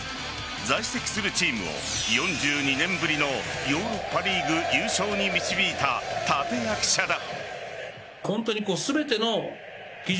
在籍するチームを４２年ぶりのヨーロッパリーグ優勝に導いた立役者だ。